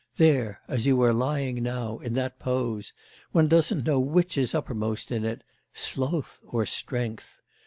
There, as you are lying now, in that pose; one doesn't know which is uppermost in it, sloth or strength!